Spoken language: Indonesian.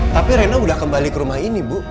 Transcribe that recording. tapi rena udah kembali ke rumah ini bu